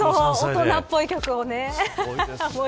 大人っぽい曲を。